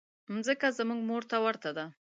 مځکه زموږ مور ته ورته ده.